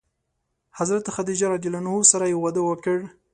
حضرت خدیجه رض سره یې واده وکړ.